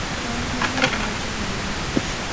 Wan gi muma machon gi muma manyien